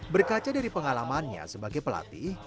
berkaca dari pengalamannya sebagai pelatih